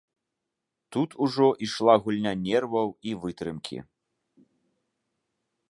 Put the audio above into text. Тут ужо ішла гульня нерваў і вытрымкі.